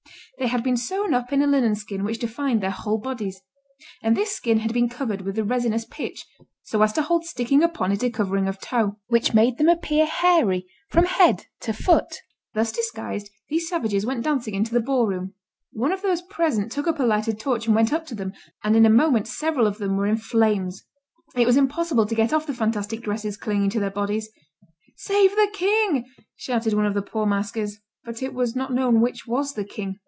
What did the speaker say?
They had been sewn up in a linen skin which defined their whole bodies; and this skin had been covered with a resinous pitch, so as to hold sticking upon it a covering of tow, which made them appear hairy from head to foot. Thus disguised these savages went dancing into the ball room; one of those present took up a lighted torch and went up to them; and in a moment several of them were in flames. It was impossible to get off the fantastic dresses clinging to their bodies. "Save the king!" shouted one of the poor masquers; but it was not known which was the king.